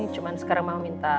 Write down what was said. cuman sekarang mama minta